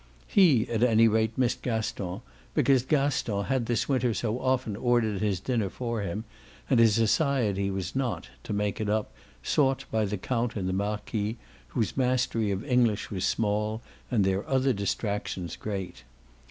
He at any rate missed Gaston because Gaston had this winter so often ordered his dinner for him; and his society was not, to make it up, sought by the count and the marquis, whose mastery of English was small and their other distractions great.